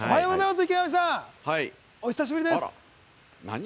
池上さん、お久しぶりです。